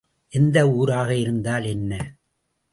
எந்த ஊராக இருந்தால் என்ன?